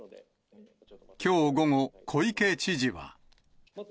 きょう午後、小池知事は。